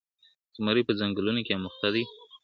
¬ زمری په ځنگلو کي اموخته دئ.